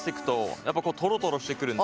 やっぱこうトロトロしてくるんで。